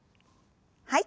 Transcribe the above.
はい。